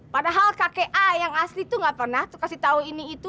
padahal kakek i yang asli tuh gak pernah kasih tau ini itu